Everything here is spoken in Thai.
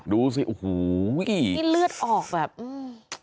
ดูสิโอ้โหนี่เลือดออกแบบอืม